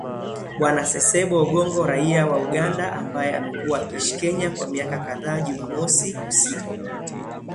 Bw Ssebbo Ogongo, raia wa Uganda, ambaye amekuwa akiishi Kenya, kwa miaka kadhaa, Jumamosi usiku alichukua vitu vyake katika lori kurejea nyumbani